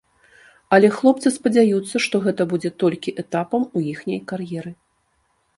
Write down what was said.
Але хлопцы спадзяюцца, што гэта будзе толькі этапам у іхняй кар'еры.